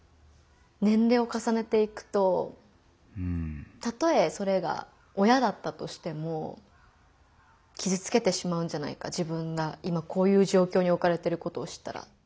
年齢をかさねていくとたとえそれが親だったとしても傷つけてしまうんじゃないか自分が今こういう状況におかれてることを知ったら。